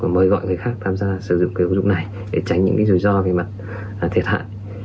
mời gọi người khác tham gia sử dụng cái ứng dụng này để tránh những rủi ro về mặt thiệt hại